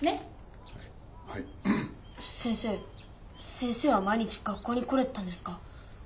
先生は毎日学校に来れてたんですか？